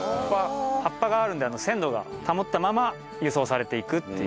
葉っぱがあるので鮮度を保ったまま輸送されていくっていう。